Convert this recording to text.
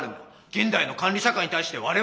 現代の管理社会に対してわれわれは。